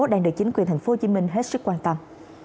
đang được chính quyền thành phố hồ chí minh hết sức quan tâm